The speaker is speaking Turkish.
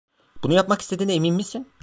Bunu yapmak istediğine emin misin?